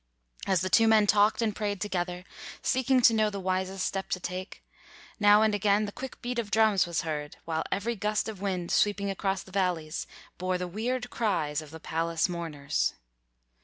As the two men talked and prayed together, seeking to know the wisest step to take, now and again the quick beat of drums was heard, while every gust of wind sweeping across the valleys bore the weird cries of the palace mourners.